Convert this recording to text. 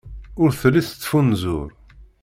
Ur telli tettfunzur.